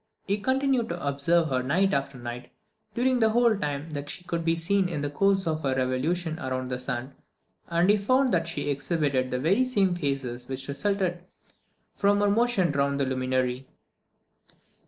He continued to observe her night after night, during the whole time that she could be seen in the course of her revolution round the sun, and he found that she exhibited the very same phases which resulted from her motion round that luminary.